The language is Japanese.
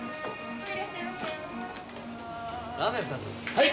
はい！